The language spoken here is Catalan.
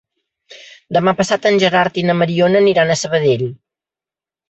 Demà passat en Gerard i na Mariona aniran a Sabadell.